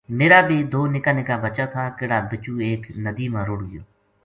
میرا بی دو نکا نکا بچہ تھا کہڑا بِچو ایک ندی ما رُڑھ گیو